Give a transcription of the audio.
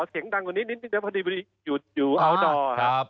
เสียงดังกว่านี้นิดเดียวพอดีอยู่อัลดอร์ครับ